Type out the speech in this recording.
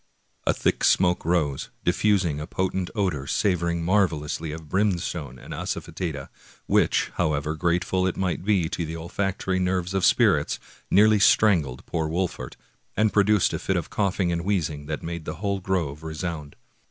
A thick smoke rose, diffusing a potent odor savor ing marvelously of brimstone and asafetida, which, how ever grateful it might be to the olfactory nerves of spirits, nearly strangled poor Wolfert, and produced a fit of cough ing and wheezing that made the whole grove resound.